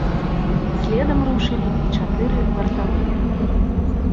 Следам рушылі і чатыры вартавыя.